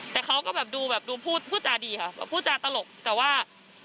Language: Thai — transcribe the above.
แต่เขาก็แบบดูแบบดูพูดพูดจาดีค่ะแบบพูดจาตลกแต่ว่า